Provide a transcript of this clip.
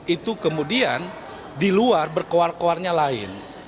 itu kemudian di luar berkewar kewarnya lain